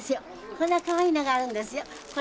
こんなかわいいのがあるんですよ。